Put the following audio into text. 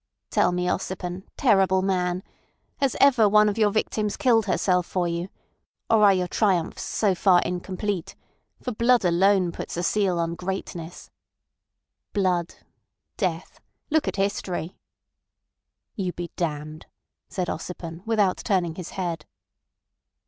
"Tell me, Ossipon, terrible man, has ever one of your victims killed herself for you—or are your triumphs so far incomplete—for blood alone puts a seal on greatness? Blood. Death. Look at history." "You be damned," said Ossipon, without turning his head.